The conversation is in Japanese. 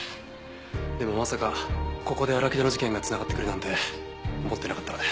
でもまさかここで荒木田の事件が繋がってくるなんて思ってなかったので。